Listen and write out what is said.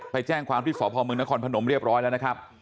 ไปแจ้งความที่สพมนครพนมเรียบร้อยแล้วนะครับ